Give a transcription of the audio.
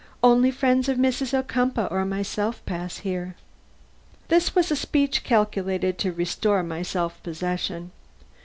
Only the friends of Mrs. Ocumpaugh or of myself pass here." This was a speech calculated to restore my self possession.